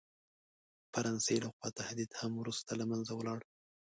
فرانسې له خوا تهدید هم وروسته له منځه ولاړ.